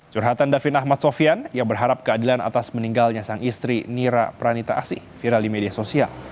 curhatan david ahmad sofian yang berharap keadilan atas meninggalnya sang istri nira pranita asih viral di media sosial